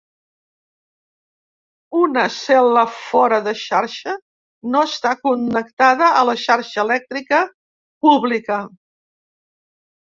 Una cel·la fora de xarxa no està connectada a la xarxa elèctrica pública.